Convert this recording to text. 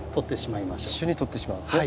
一緒に取ってしまうんですね。